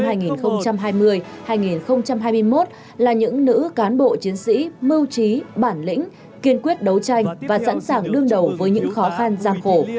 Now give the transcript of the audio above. phụ nữ công an tiêu biểu năm hai nghìn hai mươi hai nghìn hai mươi một là những nữ cán bộ chiến sĩ mưu trí bản lĩnh kiên quyết đấu tranh và sẵn sàng đương đầu với những khó khăn gian khổ